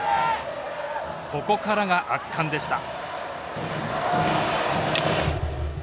ここからが圧巻でした。